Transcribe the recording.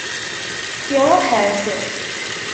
Iṛuḥ-as.